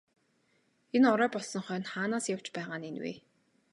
Энэ орой болсон хойно хаанаас явж байгаа нь энэ вэ?